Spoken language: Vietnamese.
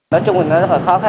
nói chung là nó rất là khó